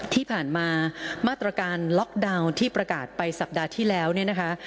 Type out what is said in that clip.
ที่ผ่านมามาตรการล็อกดาวน์ที่ประกาศไปสัปดาห์ที่แล้วเนี่ยนะคะ